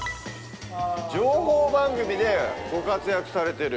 情報番組でご活躍されてる。